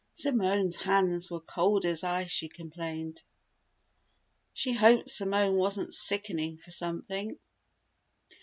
Simone's hands were cold as ice, she complained. She hoped Simone wasn't "sickening for something!"